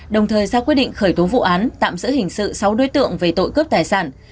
đồng thời ra quyết định khởi tố vụ án tạm giữ hình sự sáu đối tượng về tội cướp tài sản